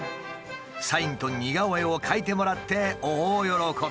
サインと似顔絵を描いてもらって大喜び。